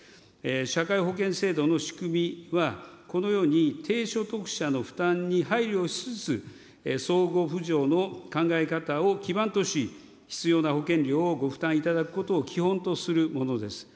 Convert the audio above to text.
社会保険制度の仕組みは、このように低所得者の負担に配慮しつつ、相互扶助の考え方を基盤とし、必要な保険料をご負担いただくことを基本とするものです。